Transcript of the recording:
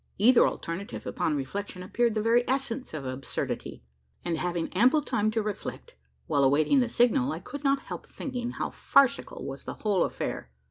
Either alternative, upon reflection, appeared the very essence of absurdity: and, having ample time to reflect, while awaiting the signal, I could not help thinking how farcical was the whole affair.